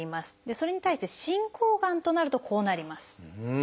それに対して進行がんとなるとこうなります。